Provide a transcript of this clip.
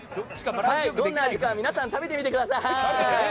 どんな味か皆さん、食べてみてください。